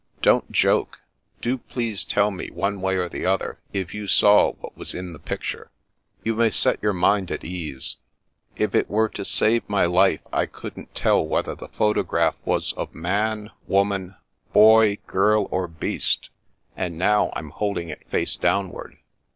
" Don't joke. Do please tell me, one way or the other, if you saw what was in the picture ?"" You may set your mind at ease. If it were to save my life, I couldn't tell whether the photograph 92 The Princess Passes was of man, woman, boy, girl, or beast ; and now I*m holding it face downward."